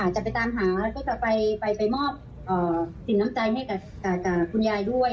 จากไปตามหาเราจะไปมอบสินทรรพ์ให้คุณยายด้วย